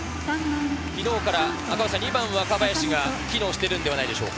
昨日から２番・若林が機能しているのではないでしょうか。